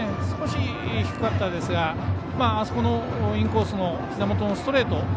少し、低かったですがインコースのひざ元のストレート